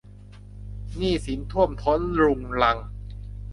หนี้สินท่วมท้นรุงรัง